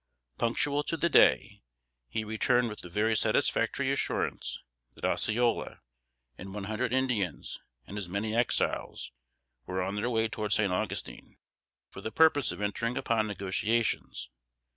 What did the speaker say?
Punctual to the day, he returned with the very satisfactory assurance, that Osceola, and one hundred Indians and as many Exiles, were on their way toward San Augustine, for the purpose of entering upon negotiations.